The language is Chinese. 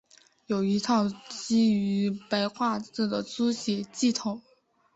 有一套基于白话字的书写系统。